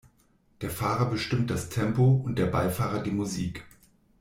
Der Fahrer bestimmt das Tempo und der Beifahrer die Musik.